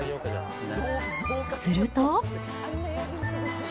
すると。